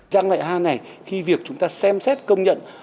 giang lại hai này khi việc chúng ta xem xét công nhận